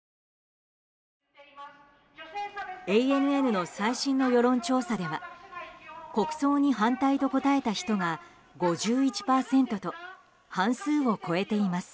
ＡＮＮの最新の世論調査では国葬に反対と答えた人が５１％と半数を超えています。